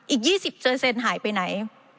อีก๒๐หายไปไหน